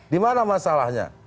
di mana masalahnya